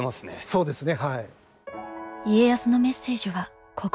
そうですね。